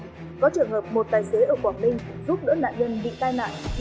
trong trường hợp một tài xế ở quảng ninh giúp đỡ nạn nhân bị tai nạn